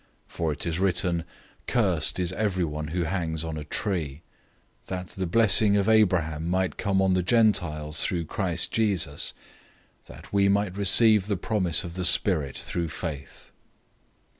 For it is written, "Cursed is everyone who hangs on a tree,"{Deuteronomy 21:23} 003:014 that the blessing of Abraham might come on the Gentiles through Christ Jesus; that we might receive the promise of the Spirit through faith.